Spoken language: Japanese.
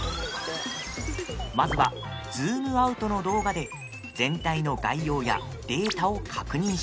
まずは、ズームアウトの動画で全体の概要やデータを確認します。